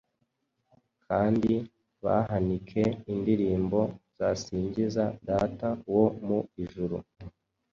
kandi bahanike indirimbo basingiza Data wo mu ijuru